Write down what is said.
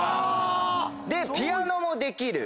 でピアノもできる。